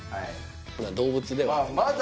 動物ではあるまあ